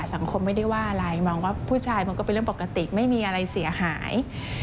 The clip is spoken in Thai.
สังคมไม่ได้ว่าอะไรมองว่าผู้ชายมันก็เป็นเรื่องปกติไม่มีอะไรเสียหาย